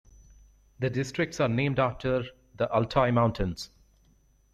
The districts are named after the Altai Mountains.